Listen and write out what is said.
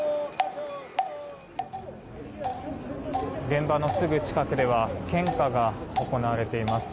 現場のすぐ近くでは献花が行われています。